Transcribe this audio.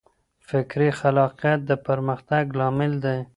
فکري خلاقیت د پرمختګ لامل دی.